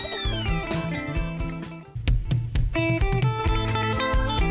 ย่ายดาวข้าวอีย้าง